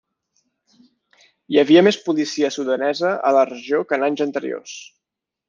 Hi havia més policia sudanesa a la regió que en anys anteriors.